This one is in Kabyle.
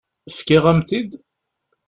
Fkiɣ-am-t-id?